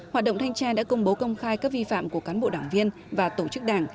hoạt động thanh tra đã công bố công khai các vi phạm của cán bộ đảng viên và tổ chức đảng